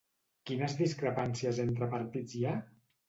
Quines discrepàncies entre partits hi ha?